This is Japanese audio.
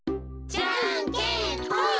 じゃんけんぽん！